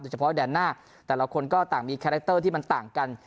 เฉพาะแดนหน้าแต่ละคนก็ต่างมีคาแรคเตอร์ที่มันต่างกัน